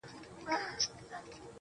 د دود وهلي ښار سپېڅلي خلگ لا ژونـدي دي.